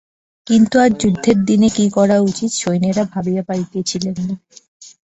কিন্তু আজ যুদ্ধের দিনে কী করা উচিত সৈন্যেরা ভাবিয়া পাইতেছিল না।